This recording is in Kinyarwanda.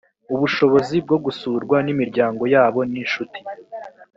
ubushobozi bwo gusurwa n imiryango yabo n inshuti